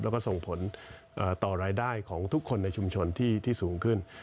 แล้วก็ส่งผลต่อรายได้ของทุกคนในชุมชนที่สูงขึ้น